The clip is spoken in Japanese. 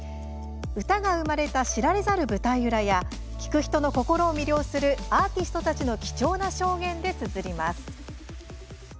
歌が生まれた知られざる舞台裏や聴く人の心を魅了するアーティストたちの貴重な証言でつづります。